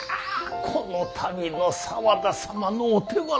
このたびの沢田様のお手柄